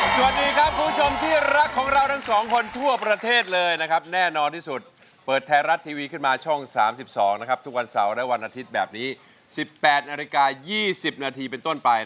สิบแปดนาที๒๐นาทีเป็นต้นไป